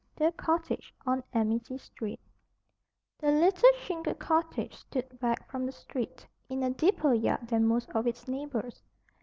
THE COTTAGE ON AMITY STREET The little shingled cottage stood back from the street, in a deeper yard than most of its neighbors.